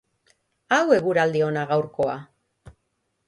Hau eguraldi ona gaurkoa!!!